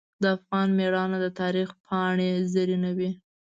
د افغان میړانه د تاریخ پاڼې زرینوي.